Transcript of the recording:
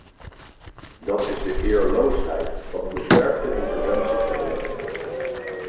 Dat is de eerloosheid van een beperkte interventie verhullen.